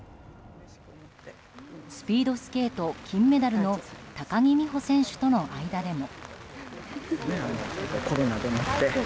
スピードスケート金メダルの高木美帆選手との間でも。